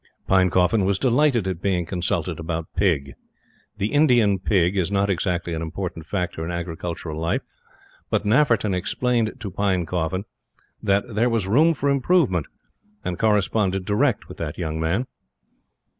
Pinecoffin was delighted at being consulted about Pig. The Indian Pig is not exactly an important factor in agricultural life; but Nafferton explained to Pinecoffin that there was room for improvement, and corresponded direct with that young man.